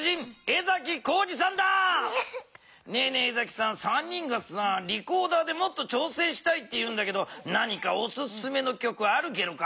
江崎さん３人がさリコーダーでもっとちょうせんしたいっていうんだけど何かおすすめのきょくあるゲロか？